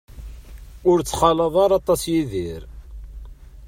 Ur ittxalaḍ ara aṭas Yidir.